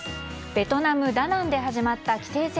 ベトナム・ダナンで始まった棋聖戦